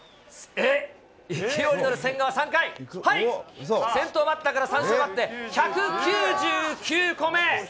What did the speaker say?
勢いに乗る千賀は３回、はい、先頭バッターから三振を奪って１９９個目。